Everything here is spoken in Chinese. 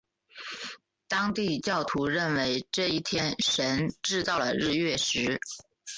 当地教徒认为这一天神制造了日月食。